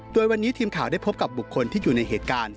โดยวันนี้ทีมข่าวได้พบกับบุคคลที่อยู่ในเหตุการณ์